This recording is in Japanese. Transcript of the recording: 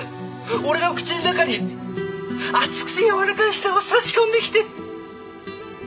俺の口の中に熱くて柔らかい舌を差し込んできて。